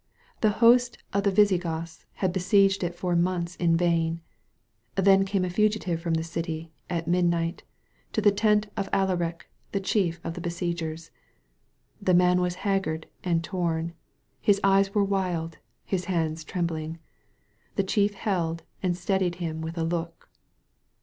The host of the Visigoths had besieged it for months in vain. Then came a fugitive from the city, at midnight, to the tent of Alaric, the Chief of the besiegers. The man was haggard and torn. His eyes were wild, his hands trembling. The Chief held and steadied him with a look.